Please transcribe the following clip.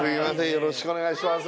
よろしくお願いします